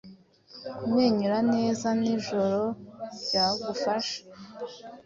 Kumwenyura neza nijoro byagufasha